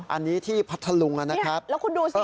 อันนี้ที่พัทธลุงนะครับแล้วคุณดูสิ